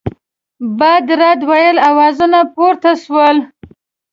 بد رد ویلو آوازونه پورته سول.